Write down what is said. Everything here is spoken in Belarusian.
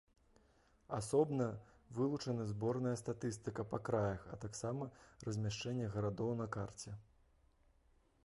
Асобна вылучана зборная статыстыка па краях, а таксама размяшчэнне гарадоў на карце.